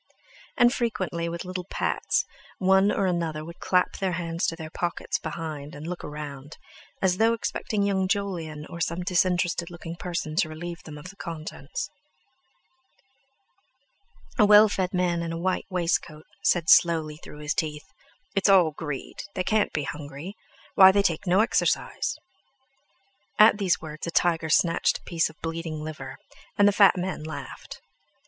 And frequently, with little pats, one or another would clap their hands to their pockets behind and look round, as though expecting young Jolyon or some disinterested looking person to relieve them of the contents. A well fed man in a white waistcoat said slowly through his teeth: "It's all greed; they can't be hungry. Why, they take no exercise." At these words a tiger snatched a piece of bleeding liver, and the fat man laughed.